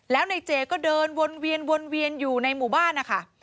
แล้วในเจก็เดินวนเวียนวนเวียนอยู่ในหมู่บ้านนะคะ